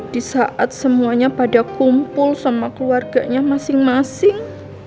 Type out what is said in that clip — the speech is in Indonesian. di saat semuanya pada kumpul sama keluarganya masing masing